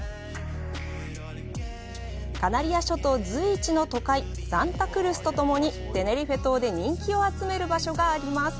カナリア諸島随一の都会サンタ・クルスと共にテネリフェ島で人気を集める場所があります。